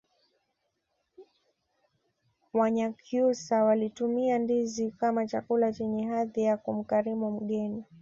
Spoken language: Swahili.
wanyakyusa walitumia ndizi kama chakula chenye hadhi ya kumkarimu mgeni